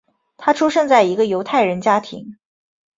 他出生在一个犹太人家庭。